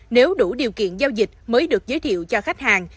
nếu đủ điều kiện giao dịch mới được giới thiệu cho khách hàng